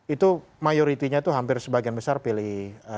itu mayoritinya itu hampir sebagian besar pilih dua